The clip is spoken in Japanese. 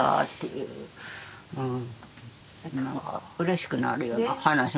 うん。